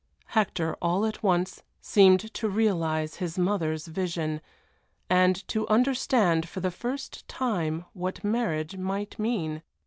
Hector all at once seemed to realize his mother's vision, and to understand for the first time what marriage might mean.